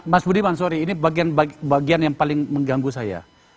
mas budiman sorry ini bagian yang paling mengganggu saya